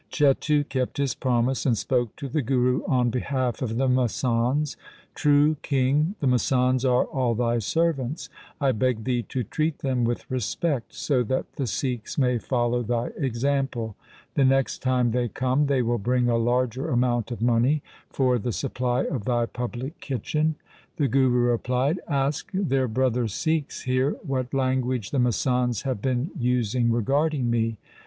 Chetu kept his promise and spoke to the Guru on behalf of the masands, ' True king, the masands are all thy servants. I beg thee to treat them with respect, so that the Sikhs may follow thy example. The next time they come they will bring a larger amount of money for the supply of thy public kitchen.' The Guru replied, ' Ask their brother Sikhs here what language the masands have been using regarding me.